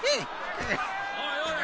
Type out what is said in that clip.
おいおい！